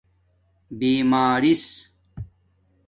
بیمارس